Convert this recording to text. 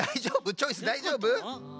チョイスだいじょうぶ？